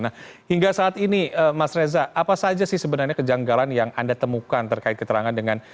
nah hingga saat ini mas reza apa saja sih sebenarnya kejanggalan yang anda temukan terkait keterangan dengan